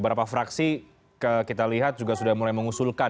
beberapa fraksi kita lihat juga sudah mulai mengusulkan